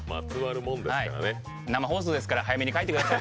生放送ですから早めに書いてください。